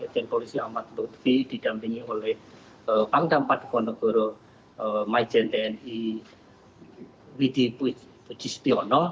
jendolisi ahmad lutfi didampingi oleh pangdam padukonegoro majen tni widipuji spiono